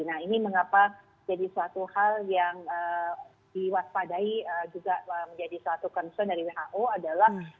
nah ini mengapa jadi suatu hal yang diwaspadai juga menjadi suatu concern dari who adalah